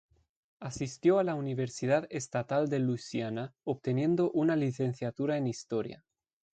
Asistió a la Universidad Estatal de Louisiana obteniendo una licenciatura en Historia.